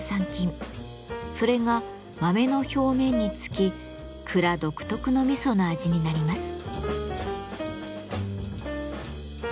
それが豆の表面に付き蔵独特の味噌の味になります。